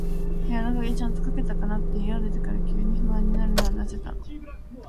部屋の鍵、ちゃんとかけたかなって、家を出てから急に不安になるのはなぜだろう。